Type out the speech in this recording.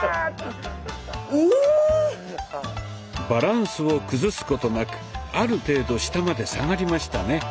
バランスを崩すことなくある程度下まで下がりましたね。